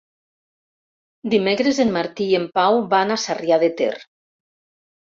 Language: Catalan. Dimecres en Martí i en Pau van a Sarrià de Ter.